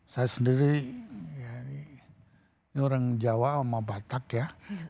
saya sendiri ini orang jawa sama batak ya